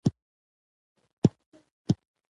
رمه راغله